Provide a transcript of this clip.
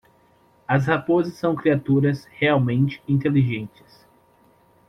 As raposas são criaturas realmente inteligentes.